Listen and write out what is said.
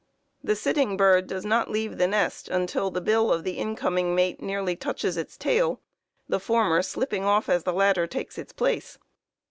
The sitting bird does not leave the nest until the bill of its incoming mate nearly touches its tail, the former slipping off as the latter takes it place.